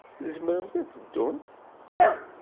Tzemremt ad teddumt?